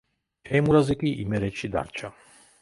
თეიმურაზი კი იმერეთში დარჩა.